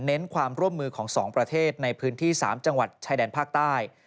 ความร่วมมือของ๒ประเทศในพื้นที่๓จังหวัดชายแดนภาคใต้